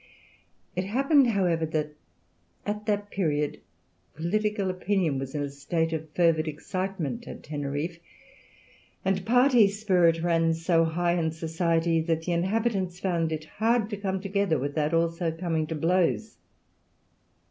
It happened, however, that at that period political opinion was in a state of fervid excitement at Teneriffe, and party spirit ran so high in society that the inhabitants found it hard to come together without also coming to blows.